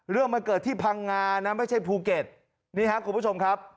เรื่องมันเกิดที่พังงานะไม่ใช่ภูเก็ตนี่ครับคุณผู้ชมครับ